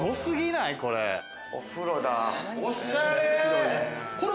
おしゃれ！